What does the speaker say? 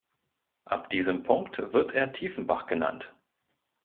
Ab diesem Punkt wird er Tiefenbach genannt.